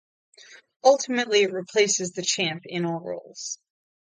Ultimately it replaced the Champ in all roles.